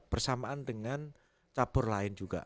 bersamaan dengan cabur lain juga